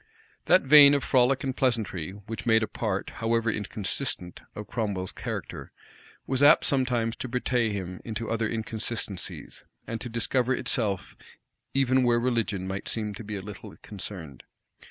[*]* Bates. That vein of frolic and pleasantry which made a part, however inconsistent, of Cromwell's character, was apt sometimes to betray him into other inconsistencies, and to discover itself even where religion might seem to be a little concerned.